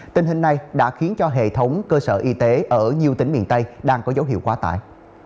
tình hình này đã khiến cho hệ thống cơ sở y tế ở nhiều tỉnh miền tây đang có dấu hiệu quá tải